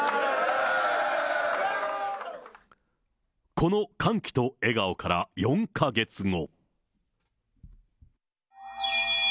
この乾期と笑顔から４か月後。